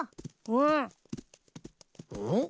うん。